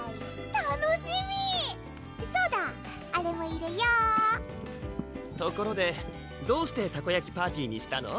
楽しみそうだあれも入れようところでどうしてたこやきパーティにしたの？